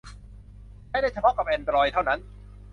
ใช้ได้เฉพาะกับแอนดรอยด์เท่านั้น